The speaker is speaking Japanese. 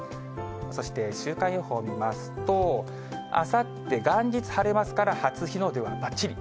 そして週間予報を見ますと、あさって元日晴れますから、初日の出はばっちり。